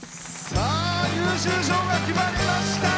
優秀賞が決まりました。